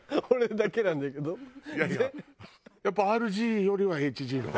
いやいややっぱＲＧよりはＨＧの方が。